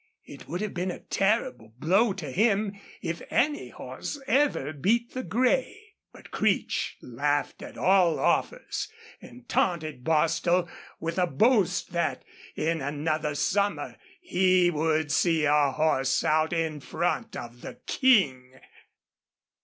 It would have been a terrible blow to him if any horse ever beat the gray. But Creech laughed at all offers and taunted Bostil with a boast that in another summer he would see a horse out in front of the King.